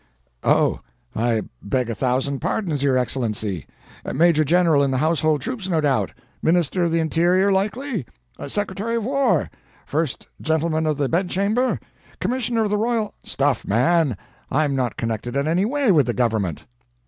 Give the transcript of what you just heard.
"Oh! I beg a thousand pardons, your Excellency. Major General in the household troops, no doubt? Minister of the Interior, likely? Secretary of War? First Gentleman of the Bedchamber? Commissioner of the Royal " "Stuff, man! I'm not connected in any way with the government."